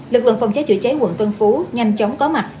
lực lượng phòng cháy chữa cháy quận tân phú nhanh chóng có mặt